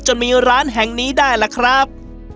จะมีร้านแห่งนี้ได้ล่ะครับ